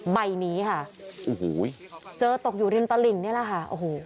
ใบนี้ค่ะโอ้โหเจอตกอยู่ริมตลิ่งนี่แหละค่ะโอ้โห